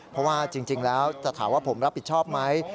เพราะว่าจริงแล้วจะถามว่าผมรับผิดชอบไหม